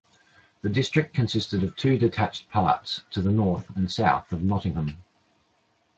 The district consisted of two detached parts, to the north and south of Nottingham.